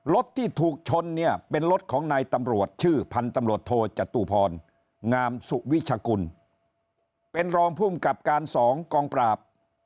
รถที่ถูกชนเนี่ยเป็นรถของนายตำรวจชื่อพันธุ์ตำรวจโทจตุพรงามสุวิชกุลเป็นรองภูมิกับการ๒กองปราบ